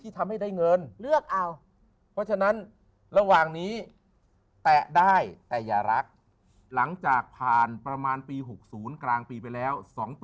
แตะได้แตะอย่ารักหลังจากผ่านประมาณปี่หกศูนย์กลางปีไปแล้ว